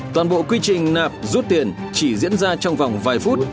toàn bộ quy trình nạp rút tiền chỉ diễn ra trong vòng vài phút